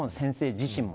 自身も。